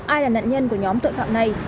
ai là nạn nhân của nhóm tội phạm này